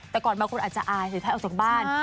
แต่ก่อนมาคุณอาจจะอายถือชุดไทยออกจากบ้าน